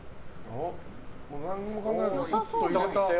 何も考えずスッと入れた。